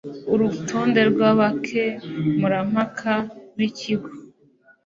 urutonde rw abakemurampaka b ikigo